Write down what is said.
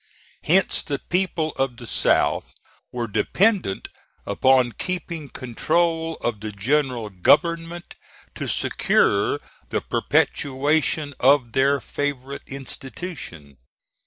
Hence the people of the South were dependent upon keeping control of the general government to secure the perpetuation of their favorite institution.